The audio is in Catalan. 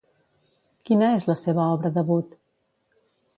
Quina és la seva obra debut?